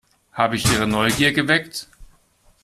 Habe ich Ihre Neugier geweckt?